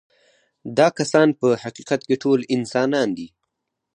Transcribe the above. دا کسان په حقیقت کې ټول انسانان دي.